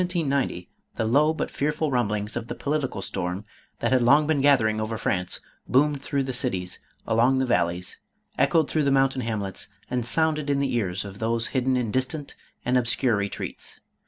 In 1790, the low but fearful rumblings of the political storm that had long been gathering over France, boomed through the cities, along the valleys, echoed through the mountain hamlets, and sounded in the ears of those hidden in distant and obscure retreats.